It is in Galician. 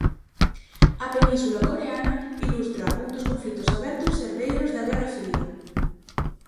A península coreana ilustra un dos conflitos abertos herdeiros da "guerra fría".